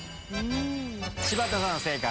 柴田さん正解。